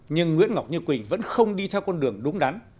nhưng nguyễn ngọc như quỳnh vẫn không đi theo con đường đúng đắn